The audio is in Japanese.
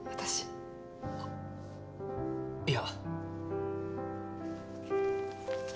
あっいや。